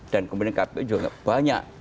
dan kemudian kpu juga banyak